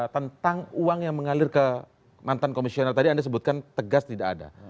tentang uang yang mengalir ke mantan komisioner tadi anda sebutkan tegas tidak ada